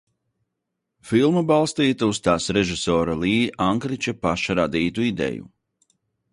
Filma balstīta uz tās režisora Lī Ankriča paša radītu ideju.